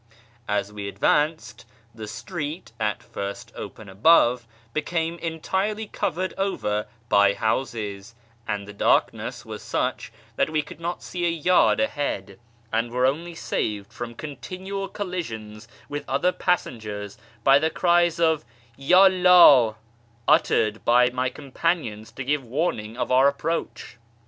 As we advanced, the street, at first open above, became entirely covered over by houses, and the darkness was such that we could not see a yard ahead, and were only saved from continual collisions with other passengers by the cries of " Yd Allah " uttered by my companions to give warning of our approach.